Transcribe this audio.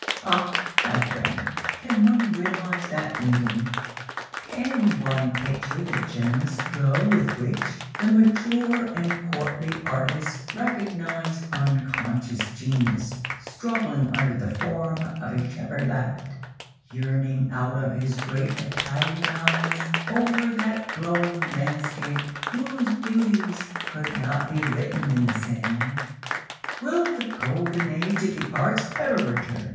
Ah! my friend, can one realize that meeting? Can one picture the generous glow with which the mature and courtly artist recognized unconscious genius struggling under the form of a shepherd lad,—yearning out of his great Italian eyes over that glowing landscape whose beauties could not be written in the sand? Will the golden age of the arts ever return?